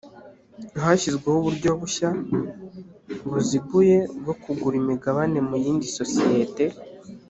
hashyizweho uburyo bushya buziguye bwo kugura imigabane muyindi sosiyete